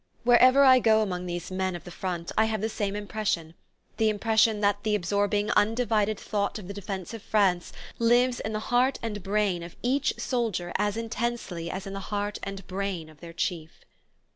Wherever I go among these men of the front I have the same impression: the impression that the absorbing undivided thought of the Defense of France lives in the heart and brain of each soldier as intensely as in the heart and brain of their chief.